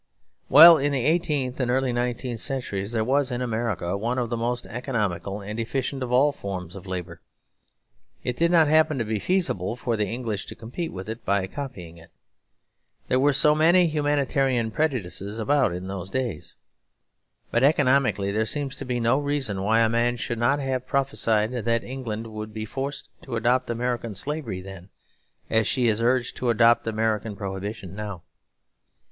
Well, in the eighteenth and early nineteenth centuries there was in America one of the most economical and efficient of all forms of labour. It did not happen to be feasible for the English to compete with it by copying it. There were so many humanitarian prejudices about in those days. But economically there seems to be no reason why a man should not have prophesied that England would be forced to adopt American Slavery then, as she is urged to adopt American Prohibition now.